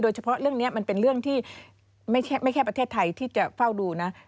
เฉพาะเรื่องนี้มันเป็นเรื่องที่ไม่ใช่ประเทศไทยที่จะเฝ้าดูนะ